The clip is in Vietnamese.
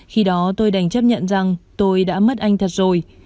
khi đó tôi đành chấp nhận rằng tôi đã mất anh thật rồi